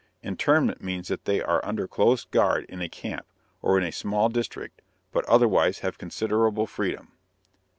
Internment means that they are under close guard in a camp, or in a small district, but otherwise have considerable freedom.